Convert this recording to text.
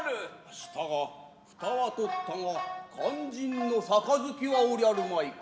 したが蓋は取ったが肝心の盃はおりゃるまいか。